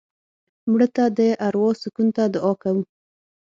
مړه ته د اروا سکون ته دعا کوو